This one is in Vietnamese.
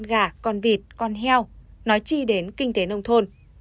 gà con vịt con heo nói chi đến kinh tế nông thôn